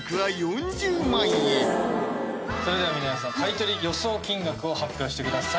それでは皆さん買取予想金額を発表してください